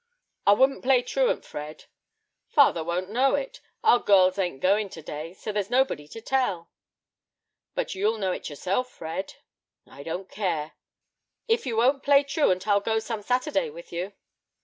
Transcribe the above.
"I wouldn't play truant, Fred." "Father won't know it; our girls ain't going to day; so there's nobody to tell." "But you'll know it yourself, Fred." "I don't care." "If you won't play truant, I'll go some Saturday with you."